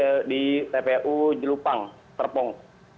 yang satu lagi di lupang terpong